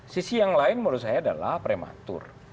sisi yang lain menurut saya adalah prematur